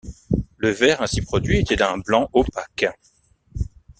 Le verre ainsi produit était d'un blanc opaque.